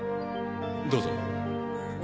どうぞ